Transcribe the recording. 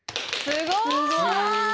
すごい！